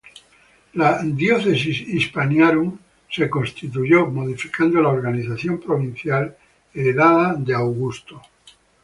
La "Diocesis Hispaniarum" se constituyó modificando la organización provincial heredada de Augusto.